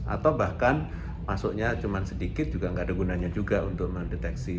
atau bahkan masuknya cuma sedikit juga nggak ada gunanya juga untuk mendeteksi